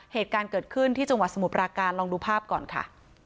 เหตุการณ์เกิดขึ้นที่จังหวัดสมุทรปราการลองดูภาพก่อนค่ะ